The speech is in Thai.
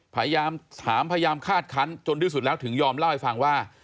พยายามถามพยายามคาดคันจนที่สุดแล้วถึงยอมเล่าให้ฟังว่า